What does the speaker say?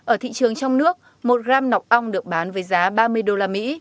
ở thị trường trong nước một gram nọc ong được bán với giá ba mươi đô la mỹ